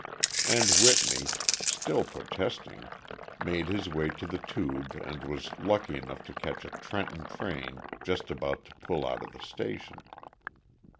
And Whitney, still protesting, made his way to the tube and was lucky enough to catch a Trenton train just about to pull out of the station.